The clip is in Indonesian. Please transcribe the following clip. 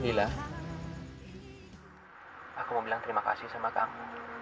aku mau bilang terima kasih sama kamu